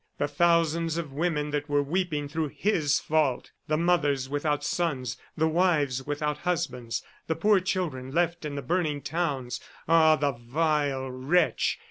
The thousands of women that were weeping through his fault! The mothers without sons, the wives without husbands, the poor children left in the burning towns! ... Ah, the vile wretch!